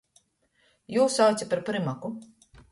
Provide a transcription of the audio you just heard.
Jū sauce par prymaku.